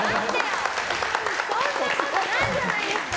そんなことないじゃないですか。